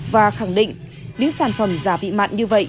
và khẳng định những sản phẩm gia vị mặn như vậy